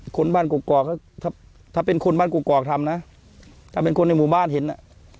คนบ้านกกอกถ้าเป็นคนบ้านกกอกทำนะถ้าเป็นคนในหมู่บ้านเห็นอ่ะ